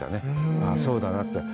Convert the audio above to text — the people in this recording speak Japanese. ああ、そうだなって。